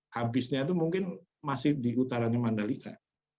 habisnya itu mungkin masih di utaranya mandalika